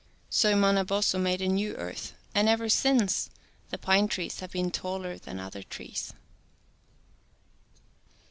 So Manabozho made a new earth and ever since the pine trees have been taller than other trees.